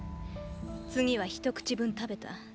次は一口分食べた。